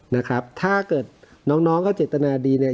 นะครับถ้าเกิดน้องน้องก็เจตนาดีเนี่ย